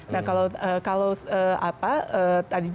nah kalau tadi disebutkan